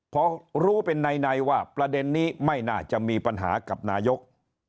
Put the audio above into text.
พอรู้เป็นในว่าประเด็นนี้ไม่น่าจะมีปัญหากับนายก